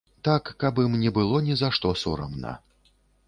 Так, каб ім не было ні за што сорамна.